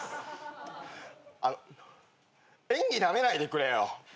あの演技なめないでくれよ。